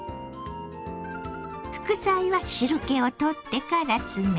副菜は汁けを取ってから詰めて。